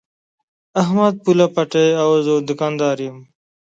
احمد پوله پټی او زه دوکانداري کوم.